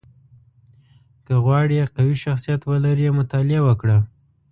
• که غواړې قوي شخصیت ولرې، مطالعه وکړه.